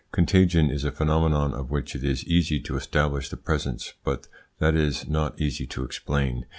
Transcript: Contagion is a phenomenon of which it is easy to establish the presence, but that it is not easy to explain.